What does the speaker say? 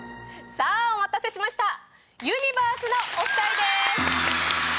さぁお待たせしました「ゆにばーす」のお２人です。